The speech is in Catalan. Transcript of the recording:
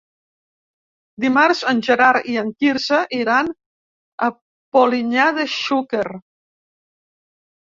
Dimarts en Gerard i en Quirze iran a Polinyà de Xúquer.